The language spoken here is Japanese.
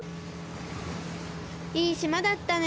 いいしまだったね。